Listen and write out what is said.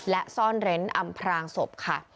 และซ่อนเร้นอำพรางศพค่ะ